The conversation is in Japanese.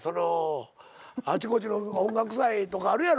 あちこちの音楽祭とかあるやろ。